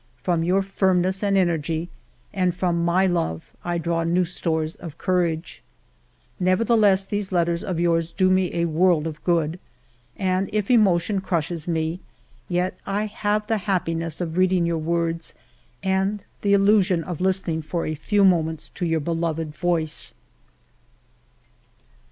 From your firmness and energy, and from my love, I draw new stores of courage. " Nevertheless, these letters of yours do me a world of good ; and if emotion crushes me, yet I have the happiness of reading your words and the illusion of listening for a few moments to your beloved voice."